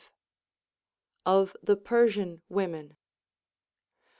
Of the Persian Women.